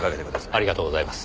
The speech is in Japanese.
ありがとうございます。